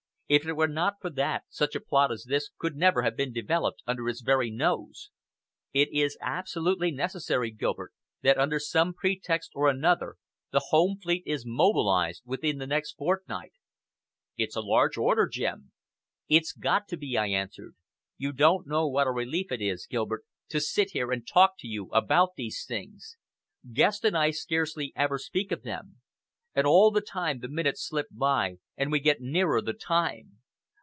If it were not for that, such a plot as this could never have been developed under his very nose. It is absolutely necessary, Gilbert, that, under some pretext or another, the home fleet is mobilized within the next fortnight." "It's a large order, Jim!" "It's got to be," I answered. "You don't know what a relief it is, Gilbert, to sit here and talk to you about these things. Guest and I scarcely ever speak of them. And all the time the minutes slip by, and we get nearer the time.